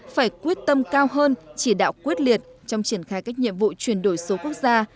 phải quyết tâm cao hơn chỉ đạo quyết liệt trong triển khai các nhiệm vụ chuyển đổi số quốc gia